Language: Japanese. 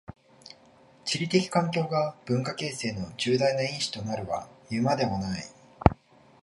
地理的環境が文化形成の重大な因子となるはいうまでもない。